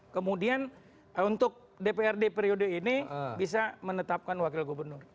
kemudian untuk dprd periode ini bisa menetapkan wakil gubernur